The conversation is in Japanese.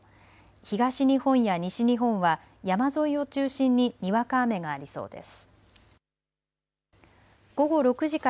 東日本や西日本は山沿いを中心ににわか雨がありそうです。